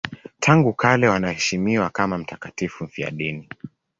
Tangu kale wanaheshimiwa kama mtakatifu mfiadini.